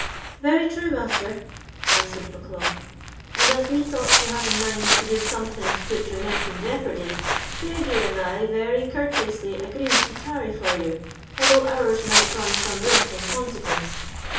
"Very true, Master," answered Bucklaw; "and as we thought you had in mind to do something to put your neck in jeopardy, Craigie and I very courteously agreed to tarry for you, although ours might run some risk in consequence.